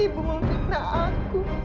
ibu mengguna aku